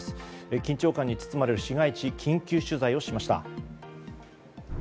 緊張感に包まれる市街地を緊急取材しました。